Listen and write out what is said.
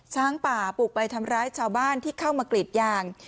ช้างป่าปลูกไปทำร้ายชาวบ้านที่เข้ามากรีดยาง